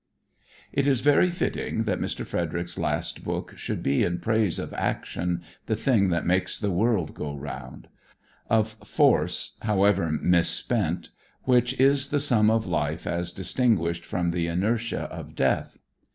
It is very fitting that Mr. Frederic's last book should be in praise of action, the thing that makes the world go round; of force, however misspent, which is the sum of life as distinguished from the inertia of death.